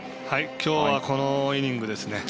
きょうはこのイニングですね。